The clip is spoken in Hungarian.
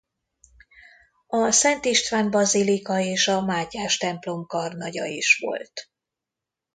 A Szent István-bazilika és a Mátyás-templom karnagya is volt.